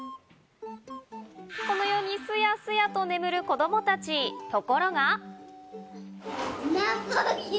このように、すやすやと眠る子供たち、ところが。